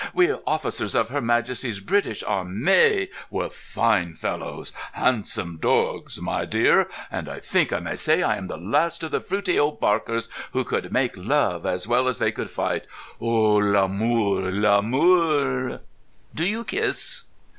We officers of Her Majesty's British Armay were fine fellows, handsome dorgs, my dear lady; and I think I may say I am the last of the fruitay old barkers who could make love as well as they could fight. Oh, l'amour, l'amour! Do you kiss?"